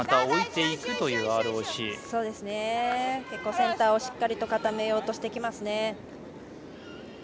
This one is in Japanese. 結構センターをしっかりと固めようとしてきます。